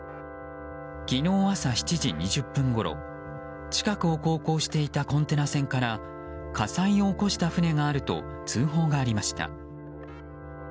昨日朝７時２０分ごろ近くを航行していたコンテナ船から火災を起こした船があると通報がありました。